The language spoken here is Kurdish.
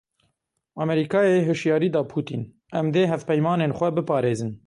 Amerîkayê hişyarî da Putin: Em dê hevpeymanên xwe biparêzin.